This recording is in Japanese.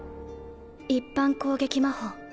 一般攻撃魔法。